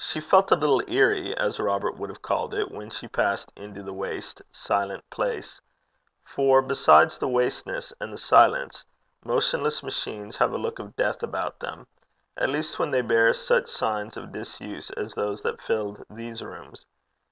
She felt a little eerie, as Robert would have called it, when she passed into the waste silent place; for besides the wasteness and the silence, motionless machines have a look of death about them, at least when they bear such signs of disuse as those that filled these rooms.